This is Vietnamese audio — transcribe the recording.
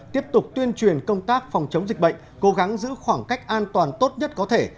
tiếp tục tuyên truyền công tác phòng chống dịch bệnh cố gắng giữ khoảng cách an toàn tốt nhất có thể